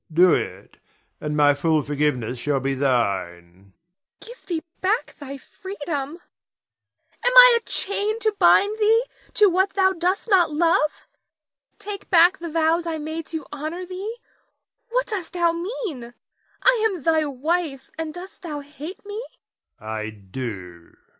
Do it, and my full forgiveness shall be thine. Nina. Give thee back thy freedom; am I a chain to bind thee to what thou dost not love? Take back the vows I made to honor thee; what dost thou mean? I am thy wife and dost thou hate me?